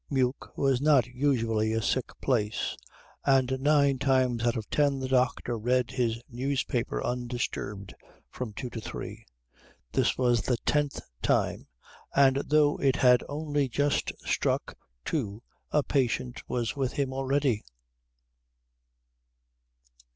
Meuk was not usually a sick place, and nine times out of ten the doctor read his newspaper undisturbed from two to three; this was the tenth time, and though it had only just struck two a patient was with him already.